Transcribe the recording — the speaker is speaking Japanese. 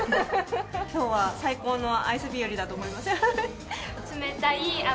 きょうは最高のアイス日和だと思います。